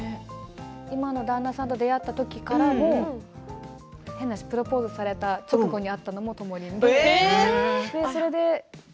今の旦那さんと出会った時からもプロポーズされた直後に会ったのも、ともりんです。